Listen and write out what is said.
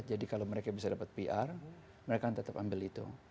jadi kalau mereka bisa dapat pr mereka tetap ambil itu